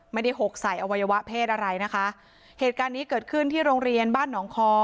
หกใส่อวัยวะเพศอะไรนะคะเหตุการณ์นี้เกิดขึ้นที่โรงเรียนบ้านหนองคอ